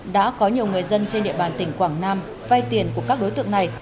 đã có nhiều người dân trên địa bàn tỉnh quảng nam vay tiền của các đối tượng này